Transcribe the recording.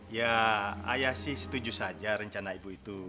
ya ayah sih setuju saja rencana ibu itu